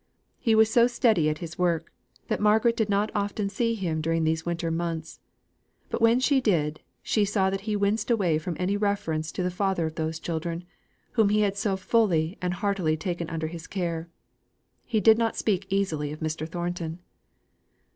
He was so steady at his work, that Margaret did not often see him during these winter months; but when she did, she saw that he winced away from any reference to the father of those children, whom he had so fully and heartily taken under his care. He did not speak easily of Mr. Thornton.